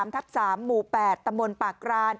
๓๓ทัก๓หมู่๘ตมนต์ปากกราน